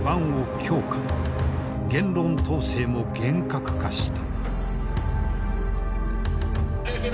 言論統制も厳格化した。